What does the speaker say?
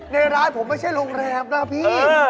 ในร้านผมไม่ใช่โรงแรมนะพี่